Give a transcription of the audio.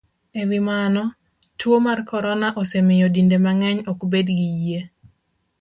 E wi mano, tuo mar corona osemiyo dinde mang'eny ok bed gi yie